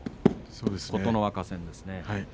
琴ノ若戦ですね。